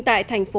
tại hàn quốc